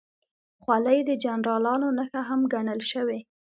خولۍ د جنرالانو نښه هم ګڼل شوې.